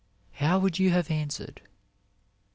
' how would you have answered ?